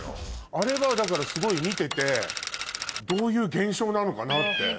あれはだからすごい見ててどういう現象なのかなって。